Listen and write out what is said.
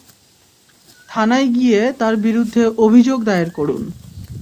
থানায় গিয়ে তার বিরুদ্ধে অভিযোগ দায়ের করুন।